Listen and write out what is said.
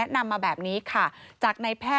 พบหน้าลูกแบบเป็นร่างไร้วิญญาณ